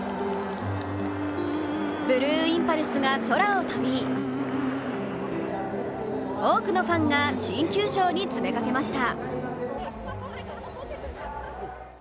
ブルーインパルスが空を飛び多くのファンが新球場に詰めかけました。